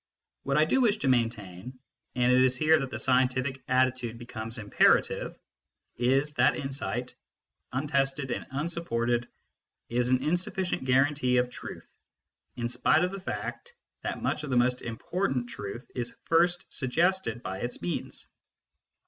What I do wish to maintain and it is here that the scientific attitude becomes imperative is that insight, untested and unsupported, is an insufficient guarantee of truth, in spite of the fact that much of the most important truth is first suggested by its means.